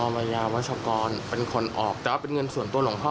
วัยยาวัชกรเป็นคนออกแต่ว่าเป็นเงินส่วนตัวหลวงพ่อ